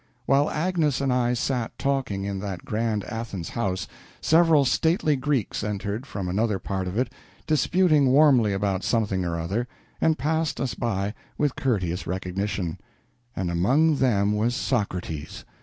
While Agnes and I sat talking in that grand Athens house, several stately Greeks entered from another part of it, disputing warmly about something or other, and passed us by with courteous recognition; and among them was Socrates.